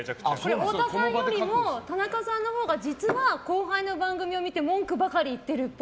太田さんより田中さんのほうが実は後輩の番組を見て文句ばかり言ってるっぽい。